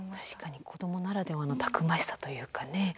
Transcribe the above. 確かに子どもならではのたくましさというかね。